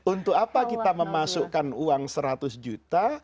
untuk apa kita memasukkan uang seratus juta